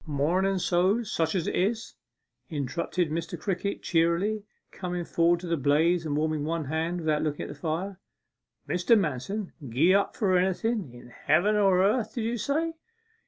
' Mornen so's such as it is!' interrupted Mr. Crickett cheerily, coming forward to the blaze and warming one hand without looking at the fire. 'Mr. Manston gie up for anything in heaven or earth, did you say?